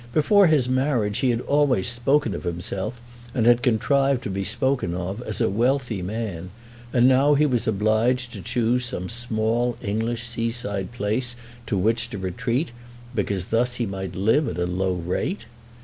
Before his marriage he had always spoken of himself, and had contrived to be spoken of, as a wealthy man, and now he was obliged to choose some small English seaside place to which to retreat, because thus he might live at a low rate!